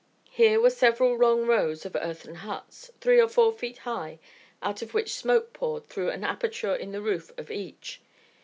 Here were several long rows of earthen huts, three or four feet high, out of which smoke poured through an aperture in the roof of each.